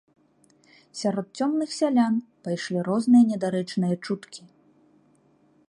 Сярод цёмных сялян пайшлі розныя недарэчныя чуткі.